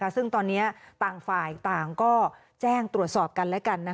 ซึ่งตอนนี้ต่างฝ่ายต่างก็แจ้งตรวจสอบกันและกัน